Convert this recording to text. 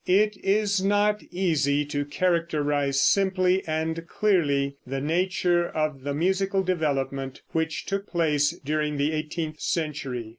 It is not easy to characterize simply and clearly the nature of the musical development which took place during the eighteenth century.